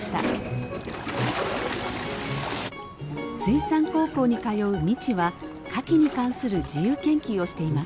水産高校に通う未知はカキに関する自由研究をしています。